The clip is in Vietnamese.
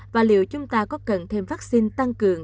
và liệu chúng ta có cần thêm vaccine tăng cường